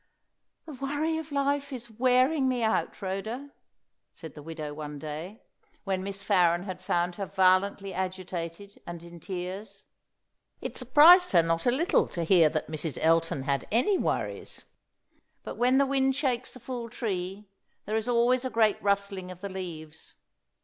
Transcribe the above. "The worry of life is wearing me out, Rhoda," said the widow one day, when Miss Farren had found her violently agitated, and in tears. It surprised her not a little to hear that Mrs. Elton had any worries. But when the wind shakes the full tree, there is always a great rustling of the leaves.